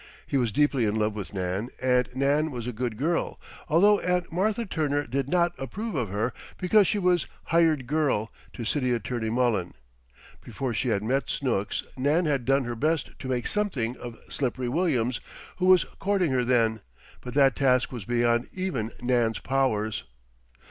He was deeply in love with Nan, and Nan was a good girl, although Aunt Martha Turner did not approve of her, because she was "hired girl" to City Attorney Mullen. Before she had met Snooks Nan had done her best to "make something" of "Slippery" Williams, who was courting her then, but that task was beyond even Nan's powers.